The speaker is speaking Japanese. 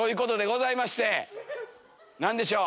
何でしょう？